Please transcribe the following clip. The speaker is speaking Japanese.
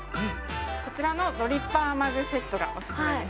こちらのドリッパーマグセットがお勧めです。